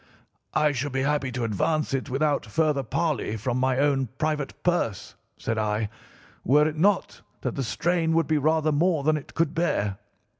"'I should be happy to advance it without further parley from my own private purse,' said I, 'were it not that the strain would be rather more than it could bear.